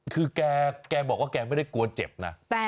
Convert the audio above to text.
คือแกบอกว่าแกไม่ได้กลัวเจ็บนะ